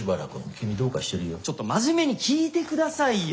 ちょっと真面目に聞いて下さいよ！